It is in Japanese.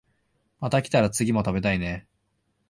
また来たら次も食べたいね